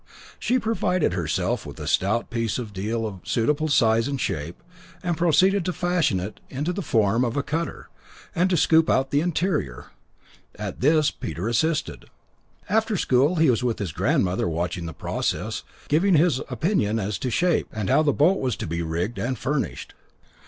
She provided herself with a stout piece of deal of suitable size and shape, and proceeded to fashion it into the form of a cutter, and to scoop out the interior. At this Peter assisted. After school hours he was with his grandmother watching the process, giving his opinion as to shape, and how the boat was to be rigged and furnished.